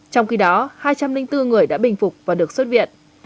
trong khi đó hai trăm linh bốn người đã bình phục và được xuất viện